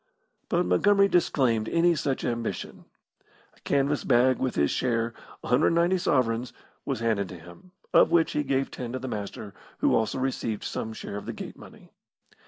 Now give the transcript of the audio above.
But Montgomery disclaimed any such ambition. A canvas bag with his share 190 sovereigns was handed to him, of which he gave ten to the Master, who also received some share of the gate money.